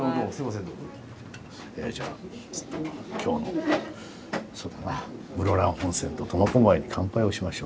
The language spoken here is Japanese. じゃあ今日の室蘭本線と苫小牧に乾杯をしましょう。